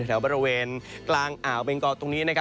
แถวบริเวณกลางอ่าวเบงกอตรงนี้